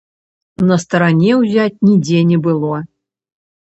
На старане ўзяць нідзе не было.